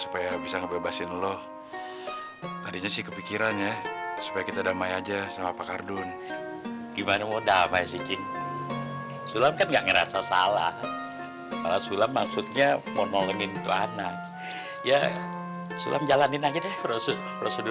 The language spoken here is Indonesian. padahal ada yang mau bertemu